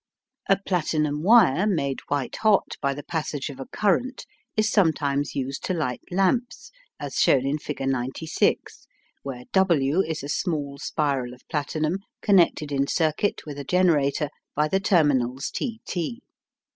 A platinum wire made white hot by the passage of a current is sometimes used to light lamps, as shown in figure 96, where W is a small spiral of platinum connected in circuit with a generator by the terminals T T.